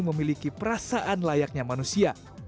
memiliki perasaan layaknya manusia